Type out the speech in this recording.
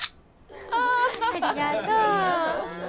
ありがとう。